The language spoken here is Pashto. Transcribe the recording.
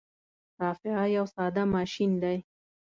رافعه یو ساده ماشین دی.